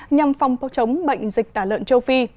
nhằm phòng bóc chống bệnh dịch tả lợn châu phi